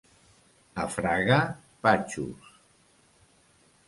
A Fraga, patxos.